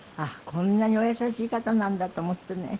こんなにお優しい方なんだと思ってね